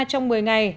trong một mươi ngày